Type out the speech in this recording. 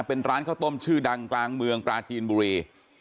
เป็นร้านข้าวต้มชื่อดังกลางเมืองปลาจีนบุรี